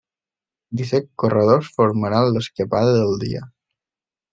Disset corredors formaran l'escapada del dia.